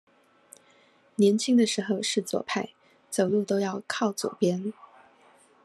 年輕的時候是左派，走路都要靠左邊